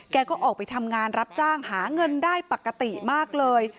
ก็ออกไปทำงานรับจ้างหาเงินได้ปกติมากเลย